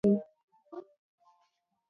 عصري تعلیم مهم دی ځکه چې د مالي سواد ښيي.